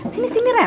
sini sini rem